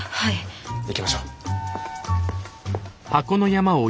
行きましょう。